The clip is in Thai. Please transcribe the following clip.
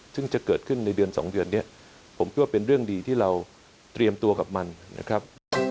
ซึ่งจะเกิดขึ้นในเดือน๒เดือนนี้ผมคิดว่าเป็นเรื่องดีที่เราเตรียมตัวกับมันนะครับ